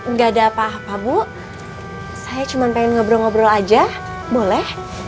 nggak ada apa apa bu saya cuma pengen ngobrol ngobrol aja boleh